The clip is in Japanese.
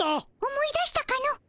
思い出したかの？